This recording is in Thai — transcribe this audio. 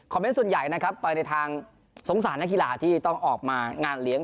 เมนต์ส่วนใหญ่นะครับไปในทางสงสารนักกีฬาที่ต้องออกมางานเลี้ยง